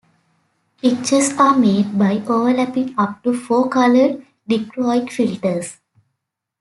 Pictures are made by overlapping up to four colored dichroic filters.